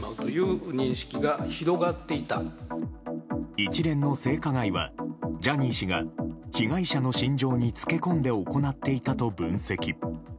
一連の性加害はジャニー氏が被害者の心情につけ込んで行っていたと分析。